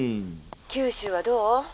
「九州はどう？」。